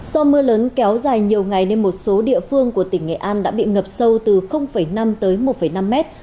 do mưa lớn kéo dài nhiều ngày nên một số địa phương của tỉnh nghệ an đã bị ngập sâu từ năm tới một năm mét